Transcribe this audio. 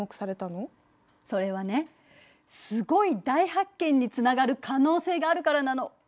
それはねすごい大発見につながる可能性があるからなの。